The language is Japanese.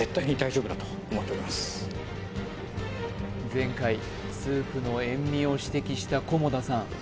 前回スープの塩味を指摘した菰田さん